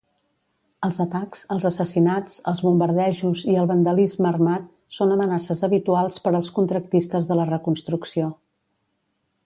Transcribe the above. Els atacs, els assassinats, els bombardejos i el vandalisme armat són amenaces habituals per als contractistes de la reconstrucció.